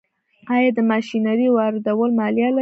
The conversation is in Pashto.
آیا د ماشینرۍ واردول مالیه لري؟